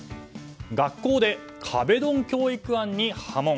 学校で壁ドン教育案に波紋。